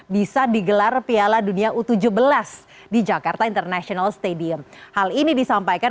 bisa digelar piala dunia u tujuh belas di jakarta international stadium hal ini disampaikan